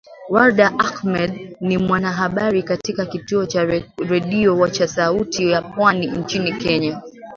Warda Ahmed ni mwanahabari katika kituo cha redio cha Sauti ya Pwani nchini Kenya